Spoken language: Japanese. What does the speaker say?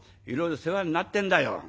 いろいろ世話になってんだよ。